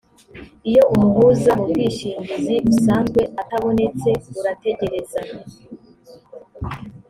iyo umuhuza mu bwishingizi usanzwe atabonetse urategereza